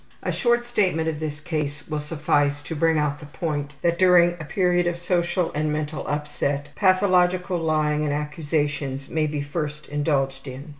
A short statement of this case will suffice to bring out the point that during a period of social and mental upset pathological lying and accusation may be first indulged in.